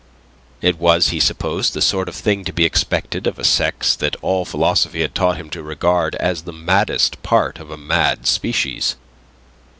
It was, he supposed, the sort of thing to be expected of a sex that all philosophy had taught him to regard as the maddest part of a mad species.